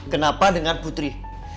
kenapa dengan putri